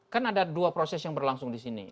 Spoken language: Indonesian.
kan ada dua proses yang berlangsung disini